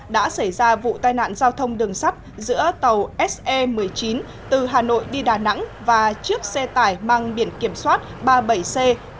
đã xảy ra vụ tai nạn giao thông đường sắt giữa tàu se một mươi chín từ hà nội đi đà nẵng và chiếc xe tải mang biển kiểm soát ba mươi bảy c một mươi năm nghìn một trăm ba mươi tám